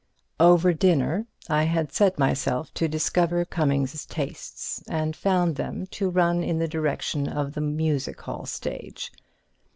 Over dinner I had set myself to discover Cummings's tastes, and found them to run in the direction of the music hall stage.